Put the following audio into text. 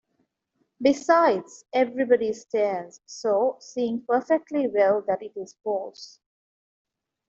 Besides, everybody stares so, seeing perfectly well that it is false.